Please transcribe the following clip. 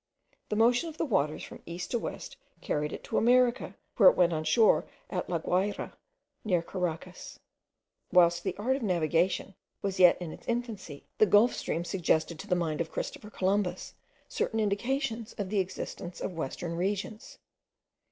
The motion of the waters from east to west, carried it to America, where it went on shore at La Guayra, near Caracas. Whilst the art of navigation was yet in its infancy, the Gulf stream suggested to the mind of Christopher Columbus certain indications of the existence of western regions.